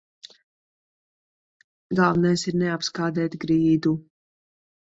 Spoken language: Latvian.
Galvenais ir neapskādēt grīdu.